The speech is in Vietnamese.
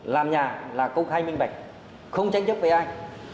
làm nhà là công khai minh bạch không tranh chấp với anh